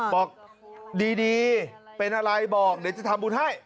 บอกดีเป็นอะไรบอกเดี๋ยวจะทำบุญให้